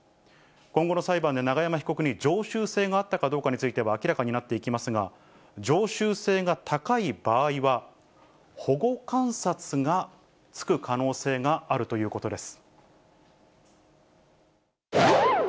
今後の裁判で永山被告に常習性があったかどうかについては明らかになっていきますが、常習性が高い場合は、保護観察がつく可能性があるということです。